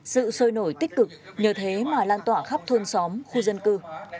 sự sôi nổi tích cực nhờ thế mà lan tỏa khắp thôn xóm khu dân cư